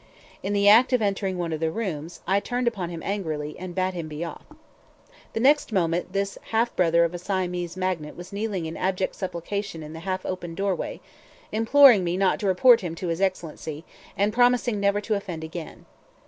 In the act of entering one of the rooms, I turned upon him angrily, and bade him be off. The next moment this half brother of a Siamese magnate was kneeling in abject supplication in the half open doorway, imploring me not to report him to his Excellency, and promising never to offend again.